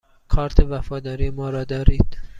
کارت وفاداری ما را دارید؟